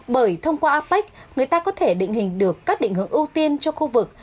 bởi thông qua apec người ta có thể định hình được các định hướng ưu tiên cho khu vực